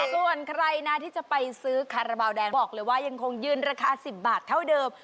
ส่วนใครนะที่จะไปซื้อคาราบาลแดงบอกเลยว่ายังคงยืนราคา๑๐บาทเท่าเดิม